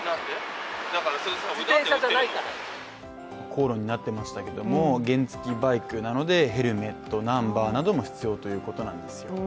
口論になっていましたけれども原付バイクなのでヘルメットナンバーなども必要ということなんですね。